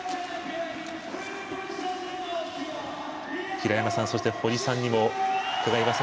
平山さん、堀さんにも伺います。